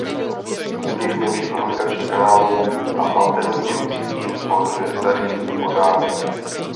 Vznik nových komunikačních kanálů a alternativních sítí ohrožuje starý pořádek.